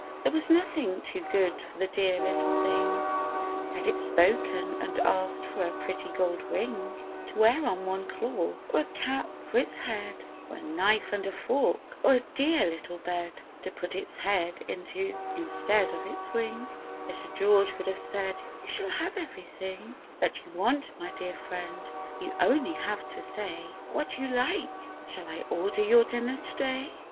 There was nothing too good for the dear little thing ; Had it spoken, and asked for a pretty gold ring To wear on one claw — or a cap for its head — Or a knife and a fork — or a dear little bed To put its head into instead of its wing — Little George would have said, "You shall have every thing That you want, my dear bird !— you have only to say What you like ! Shall I order your dinner to day